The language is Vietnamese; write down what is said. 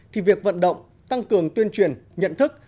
thì việc vận động tăng cường tuyên truyền nhận thức